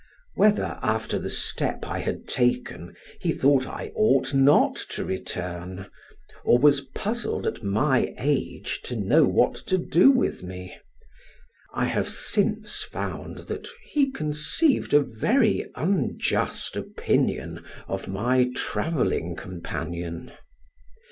Whether after the step I had taken, he thought I ought not to return, or was puzzled at my age to know what to do with me I have since found that he conceived a very unjust opinion of my travelling companion.